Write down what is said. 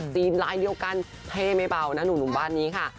ซีลไลน์เดียวกันเทไม่เปล่านะหนุ่มบ้านนี้ค่ะ